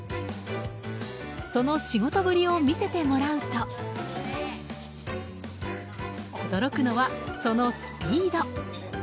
その仕事ぶりを見せてもらうと驚くのはそのスピード！